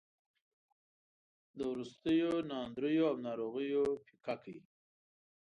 د وروستیو ناندریو او ناروغیو پېکه کړ.